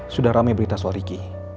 sudah rame berita soal ricky